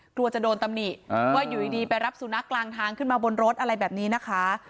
กลัวจะโดนตำหนิว่าอยู่ดีไปรับสุนัขกลางทางขึ้นมาบนรถอะไรแบบนี้นะคะ